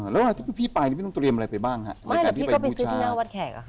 แล้วพี่ไปไม่ต้องเตรียมอะไรไปบ้างค่ะไม่พี่ก็ไปซื้อที่นั่นวัดแขกอะค่ะ